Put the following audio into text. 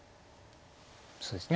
そうですね